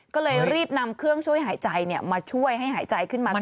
ก็เลยรีบนำเครื่องช่วยหายใจมาช่วยให้หายใจขึ้นมาก่อน